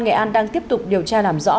nghệ an đang tiếp tục điều tra làm rõ